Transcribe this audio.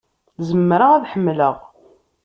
Zemreɣ ad ḥemmleɣ.